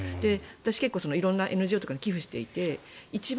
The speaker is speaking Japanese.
私、結構色んなＮＧＯに寄付していて一番